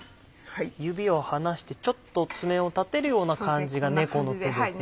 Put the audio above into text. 指を離してちょっと爪を立てるような感じが猫の手ですね。